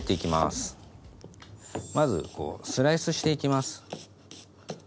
まずこうスライスしていきます。